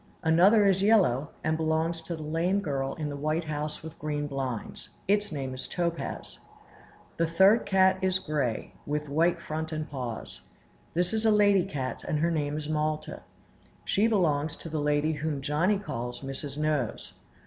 Another is yellow, and belongs to the lame girl in the white house with green blinds; its name is Topaz. The third cat is gray, with white front and paws. This is a lady cat, and her name is Malta; she belongs to the lady whom Johnny calls Mrs. Nose.